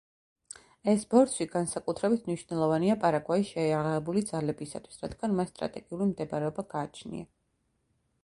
ეს ბორცვი განსაკუთრებით მნიშვნელოვანია პარაგვაის შეიარაღებული ძალებისათვის, რადგან მას სტრატეგიული მდებარეობა გააჩნია.